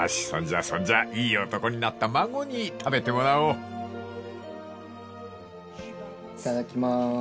そんじゃあそんじゃあいい男になった孫に食べてもらおう］いただきます。